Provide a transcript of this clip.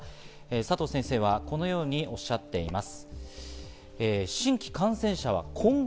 佐藤先生はこのようにおっしゃっています。